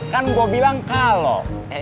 kan gua bilang kalau